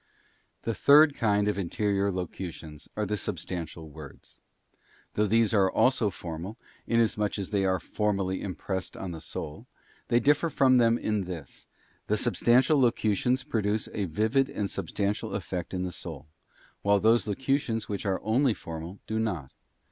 Tue third kind of interior locutions are the Substantial Words. Though these are also formal, inasmuch as they are formally impressed on the soul, they differ from them in this; the substantial locutions produce a vivid and sub stantial effect in the soul, while those locutions which are only formal do not.